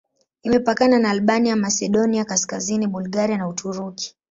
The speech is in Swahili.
Imepakana na Albania, Masedonia Kaskazini, Bulgaria na Uturuki.